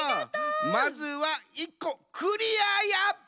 まずは１こクリアや！